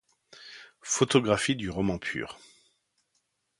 Photographies du roman pur.